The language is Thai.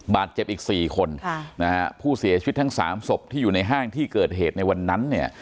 บาดเจ็บอีก๔คนผู้เสียชีวิตทั้งสามศพที่อยู่ในห้างที่เกิดเหตุในวันนั้นเนี่ย